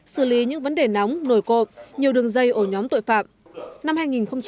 xử lý những vấn đề nóng nổi cộng nhiều đường dây ổ nhóm tội phạm